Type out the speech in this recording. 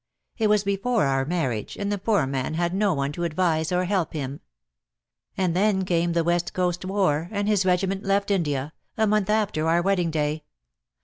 It was before our marriage, and the poor man had no one to advise or help him. And then came the West Coast war, and his regiment left India, a month after our wedding day.